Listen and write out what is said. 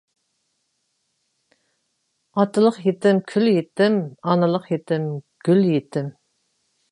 ئاتىلىق يېتىم كۈل يېتىم، ئانىلىق يېتىم گۈل يېتىم.